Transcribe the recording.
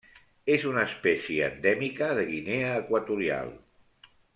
És una espècie endèmica de Guinea Equatorial.